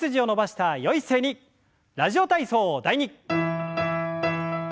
「ラジオ体操第２」。